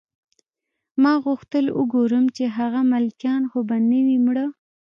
ما غوښتل وګورم چې هغه ملکیان خو به نه وي مړه